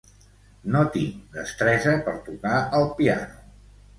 No tinc destresa per tocar el piano.